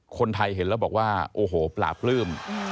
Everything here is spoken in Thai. คนไทยเห็นแล้วบอกว่าโอ้โหปลาปลื้ม